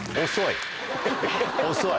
遅い。